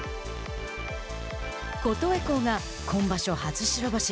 琴恵光が今場所初白星。